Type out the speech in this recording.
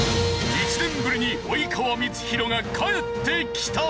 １年ぶりに及川光博が帰ってきた！